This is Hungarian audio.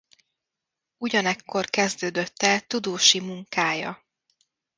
Ugyanekkor kezdődött el tudósi munkája.